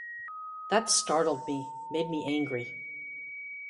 That startled me, made me angry.